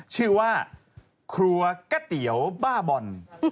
ชื่อว่าครัวก๋วยเตี๋ยวบ้าบอล